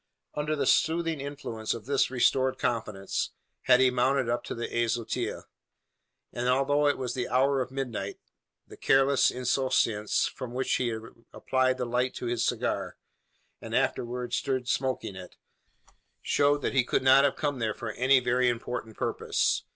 Under the soothing influence of this restored confidence, had he mounted up to the azotea; and, although it was the hour of midnight, the careless insouciance with which he applied the light to his cigar, and afterwards stood smoking it, showed that he could not have come there for any very important purpose.